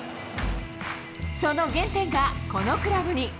その原点がこのクラブに。